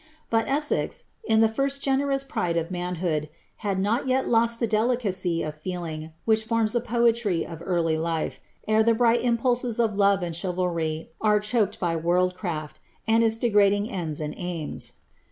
But ^sex, in the first generous pride of manhood, had not yet lost that delicacy of Ittliog which forms the poetry of early life, ere the bright impulses of bve and chivalry are choked by worldcraA, and its degrading ends and aims.